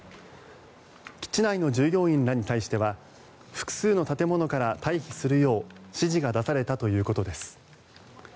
基地内の従業員らに対しては複数の建物から退避するよう指示が出されたということです。